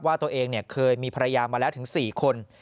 ว่าตัวเองเคยมีภรรยามาแล้วถึง๔คน